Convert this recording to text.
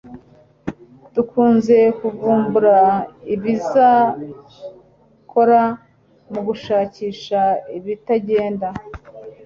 dukunze kuvumbura ibizakora, mugushakisha ibitagenda